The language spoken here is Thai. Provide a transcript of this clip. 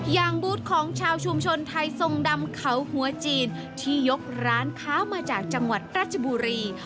อย่างบูธของชาวชุมชนไทยทรงดำเขาหัวจีนที่ยกร้านค้ามาจากจังหวัดราชบุรี